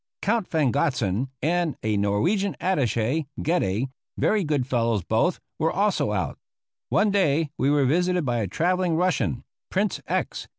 Count von Gotzen, and a Norwegian attache, Gedde, very good fellows both, were also out. One day we were visited by a travelling Russian, Prince X.